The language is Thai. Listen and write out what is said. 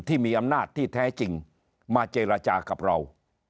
ที่มีอำนาจที่แท้จริงมาเจรจากับเรา